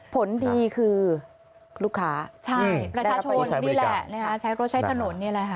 ผลดีคือลูกค้าใช่ประชาชนนี่แหละนะคะใช้รถใช้ถนนนี่แหละค่ะ